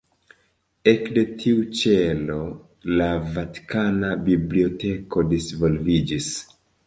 Ekde tiu ĉelo la Vatikana Biblioteko disvolviĝis.